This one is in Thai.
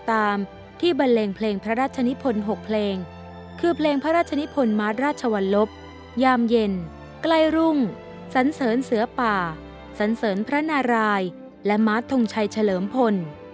ก็พูดเพลงพระราชนิภนิ์คมาทราชวรรพยามเย็นกลายรุ่งสันเสริญเสื้อป่าสันเสริญพระนารายิ์และมาทรทงชัยเฉลิมพล